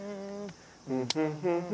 フフフフ